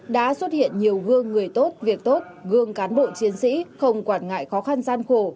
đã xuất hiện nhiều gương người tốt việc tốt gương cán bộ chiến sĩ không quản ngại khó khăn gian khổ